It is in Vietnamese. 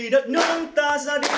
là hạnh phúc